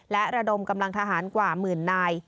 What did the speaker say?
และระดมกำลังทหารกว่าหมื่นนาย